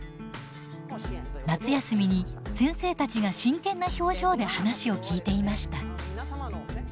夏休みに先生たちが真剣な表情で話を聞いていました。